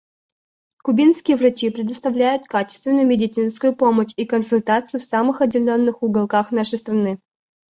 Кубинские врачи предоставляют качественную медицинскую помощь и консультации в самых отдаленных уголках нашей страны.